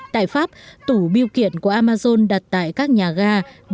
tại pháp tủ biêu kiện của amazon đặt tại các nhà ga